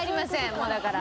もうだから。